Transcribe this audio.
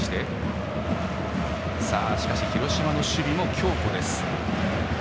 広島の守備も強固です。